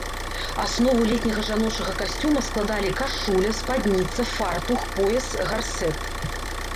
Аснову летняга жаночага касцюма складалі кашуля, спадніца, фартух, пояс, гарсэт.